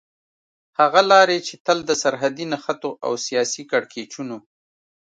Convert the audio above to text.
هغه لارې چې تل د سرحدي نښتو او سياسي کړکېچونو